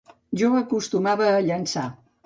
Jo acostumava a llançar.